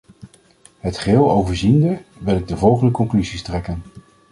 Het geheel overziende, wil ik de volgende conclusies trekken.